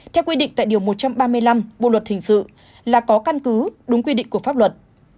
theo quy định tại điều một trăm ba mươi năm bộ luật hình sự là có căn cứ đúng quy định của pháp luật